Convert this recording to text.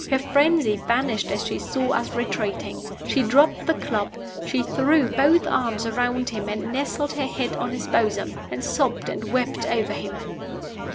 Her frenzy vanished as she saw us retreating. She dropped the club; she threw both arms around him, and nestled her head on his bosom, and sobbed and wept over him.